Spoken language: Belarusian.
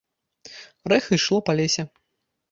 Рэха ішло па лесе.